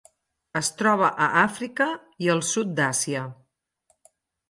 Es troba a Àfrica i al sud d'Àsia.